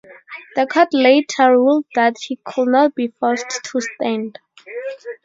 The court later ruled that he could not be forced to stand.